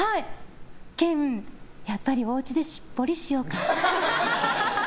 ケン、やっぱりおうちでしっぽりしようか。